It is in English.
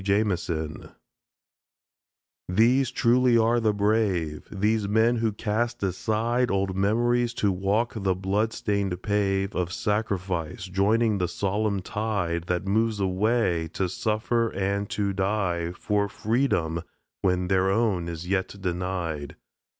JAMISON These truly are the Brave These men who cast aside Old memories, to walk the blood stained pave Of Sacrifice, joining the solemn tide That moves away, to suffer and to die For Freedom when their own is yet denied!